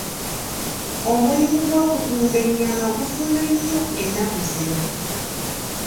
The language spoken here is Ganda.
Omulimu gw'okutunda ennyama gufuna nnyo ennaku zino.